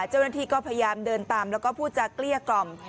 เจ้าหน้าที่ก็พยายามเดินตามแล้วก็พูดจากเกลี้ยกล่อม